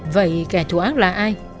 vậy kẻ thù ác là ai